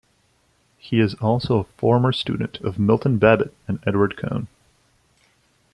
He is also a former student of Milton Babbitt and Edward Cone.